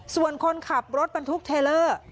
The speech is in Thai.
ส่วนคนขับรถบรรทุกเทลเลอร์